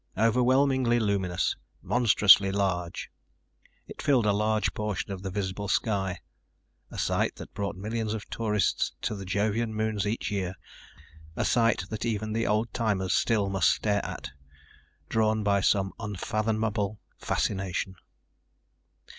Overwhelmingly luminous, monstrously large, it filled a large portion of the visible sky, a sight that brought millions of tourists to the Jovian moons each year, a sight that even the old timers still must stare at, drawn by some unfathomable fascination.